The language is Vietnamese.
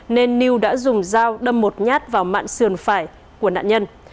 nên lưu đã dùng dao đâm một nhát vào mạng sườn phải của nạn nhân